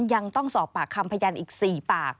ยังต้องสอบปากคำพยานอีก๔ปาก